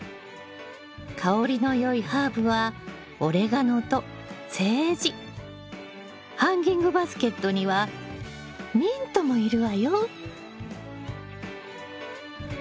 香りのよいハーブはハンギングバスケットにはミントもいるわよ。